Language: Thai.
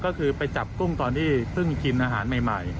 ก็คือไปจับกุ้งตอนที่เพิ่งกินอาหารใหม่